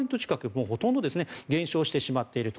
もうほとんどですね減少してしまっていると。